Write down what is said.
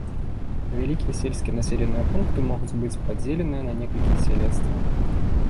Вялікія сельскія населеныя пункты могуць быць падзеленыя на некалькі салецтваў.